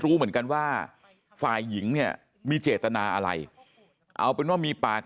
รู้เหมือนกันว่าฝ่ายหญิงเนี่ยมีเจตนาอะไรเอาเป็นว่ามีปาก